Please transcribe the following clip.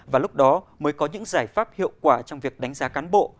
và lúc đó mới có những giải pháp hiệu quả trong việc đánh giá cán bộ